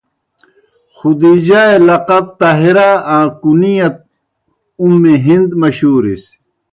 خُدیجہؓ اےْ لقب طاہرہ آں کُنیت اُم ہند مشہورِس۔